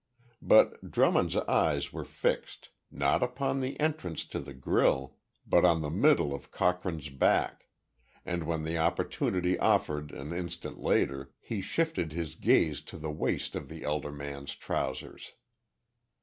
But Drummond's eyes were fixed, not upon the entrance to the grille, but on the middle of Cochrane's back, and, when the opportunity offered an instant later, he shifted his gaze to the waist of the elder man's trousers.